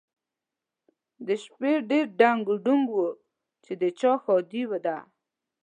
د شپې ډېر ډنګ ډونګ و چې د چا ښادي ده؟